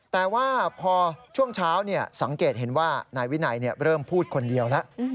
แต่ว่าพอช่วงเช้าสังเกตเห็นว่านายวินัยเริ่มพูดคนเดียวแล้ว